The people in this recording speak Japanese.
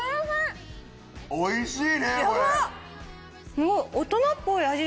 おいしい！